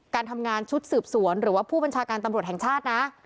การทำงานชุดสืบสวนหรือว่าผู้บัญชาการตำรวจแห่งชาตินะ